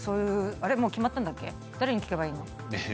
もう決まったんだっけ、誰に聞けばいいの？